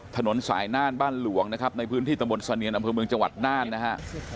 ถนนสายน่านบ้านหลวงนะครับในพื้นที่ตะบนเสนียนอำเภอเมืองจังหวัดน่านนะฮะ